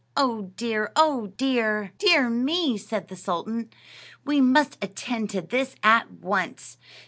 Oh, dear! oh, dear!" "Dear me!" said the sultan; "we must attend to this at once."